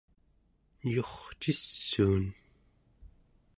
eyurcissuun